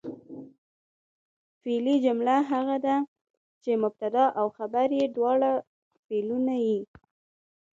فعلي جمله هغه ده، چي مبتدا او خبر ئې دواړه فعلونه يي.